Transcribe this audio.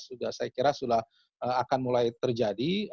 sudah saya kira sudah akan mulai terjadi